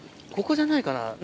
ここじゃないかな？